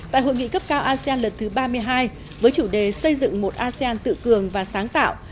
tại hội nghị cấp cao asean lần thứ ba mươi hai với chủ đề xây dựng một asean tự cường và sáng tạo